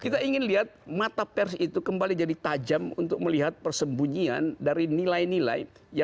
kita ingin lihat mata pers itu kembali jadi tajam untuk melihat persembunyian dari nilai nilai